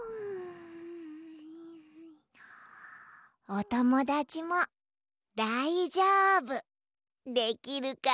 おともだちもだいじょうぶできるかな？